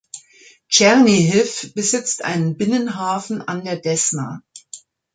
Tschernihiw besitzt einen Binnenhafen an der Desna.